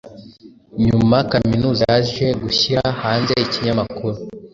Nyuma Kaminuza yaje gushyira hanze ikinyamakuru